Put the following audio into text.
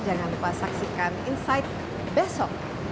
jangan lupa saksikan insight besok